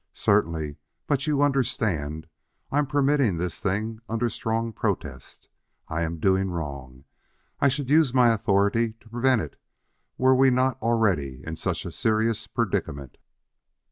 "Certainly. But, you understand, I permit this thing under strong protest. I am doing wrong. I should use my authority to prevent it were we not already in such a serious predicament."